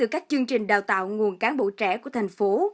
các chương trình đào tạo nguồn cán bộ trẻ của thành phố